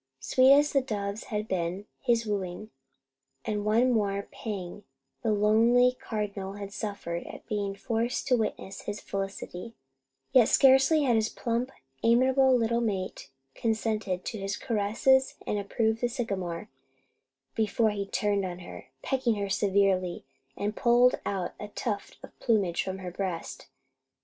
Sweet as the dove's had been his wooing, and one more pang the lonely Cardinal had suffered at being forced to witness his felicity; yet scarcely had his plump, amiable little mate consented to his caresses and approved the sycamore, before he turned on her, pecked her severely, and pulled a tuft of plumage from her breast.